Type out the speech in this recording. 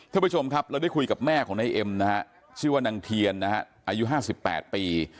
ท่านผู้ชมครับเราได้คุยกับแม่ของนายเอ็มนะฮะชื่อว่านางเทียนนะฮะอายุ๕๘ปี